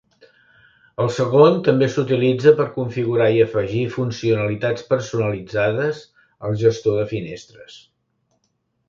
El segon també s'utilitza per configurar i afegir funcionalitats personalitzades al gestor de finestres.